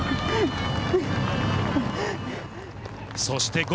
そして。